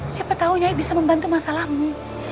siapa tahu ya bisa membantu masalahmu